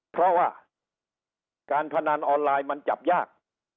เพราะว่าการพนันออนไลน์มันจับยาก